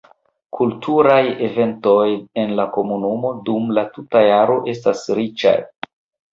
Kulturaj eventoj en la komunumo dum la tuta jaro estas riĉaj.